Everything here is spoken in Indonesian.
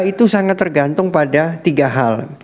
itu sangat tergantung pada tiga hal